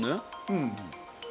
うん。